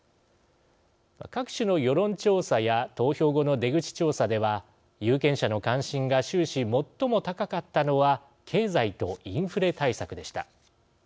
各種の世論調査や投票後の出口調査では有権者の関心が終始、最も高かったのは経済とインフレ対策でした。